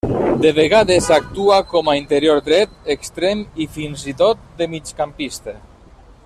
De vegades actua com a interior dret, extrem, i fins i tot de migcampista.